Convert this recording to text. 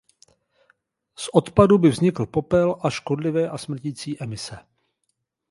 Z odpadu by vznikl popel a škodlivé a smrtící emise.